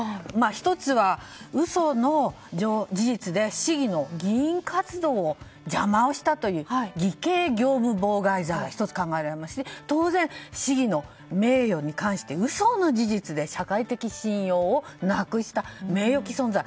１つは嘘の事実で市議の議員活動を邪魔をしたという偽計業務妨害罪が１つ考えられますし市議の名誉に関して嘘の事実で社会の信用をなくした名誉毀損罪。